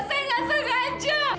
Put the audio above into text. saya nggak sengaja